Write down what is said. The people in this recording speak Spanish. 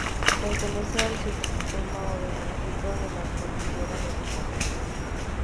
Pertenece al subsistema orográfico de la Cordillera de los Altos.